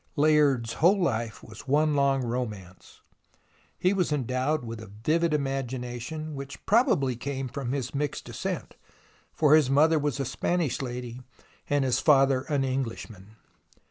Layard's whole life was one long romance. He was endowed with a vivid imagination, which prob ably came from his mixed descent, for his mother was a Spanish lady and his father an Englishman.